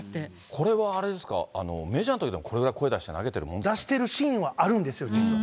これはあれですか、メジャーのときでもこれだけ声出して投げ出してるシーンはあるんですよ、実は。